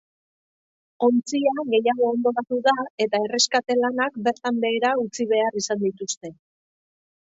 Ontzia gehiago hondoratu da eta erreskate-lanak bertan behera utzi behar izan dituzte.